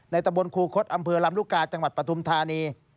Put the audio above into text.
ตะบนครูคดอำเภอลำลูกกาจังหวัดปฐุมธานี